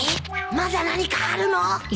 まだ何かあるの？